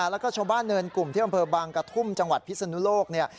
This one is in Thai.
แล้วก็ชาวบ้านเนินกลุ่มที่อำเภอบางกระทุ่มจังหวัดพิศนุโลกเนี่ย